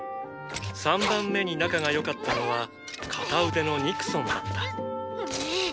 ３番目に仲が良かったのは片腕のニクソンだったんん！